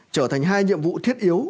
trở thành hai nhiệm vụ thiết yếu